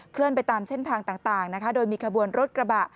เลื่อนไปตามเส้นทางต่างนะคะโดยมีขบวนรถกระบะ